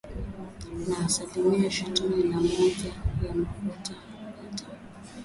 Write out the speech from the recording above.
na asilimia ishirini na moja kwa mafuta ya taa